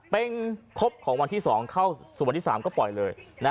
เป็นครบของวันที่๒เข้าสู่วันที่๓ก็ปล่อยเลย